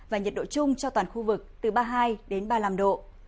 và nhiệt độ chung cho toàn khu vực từ ba mươi hai đến ba mươi năm độ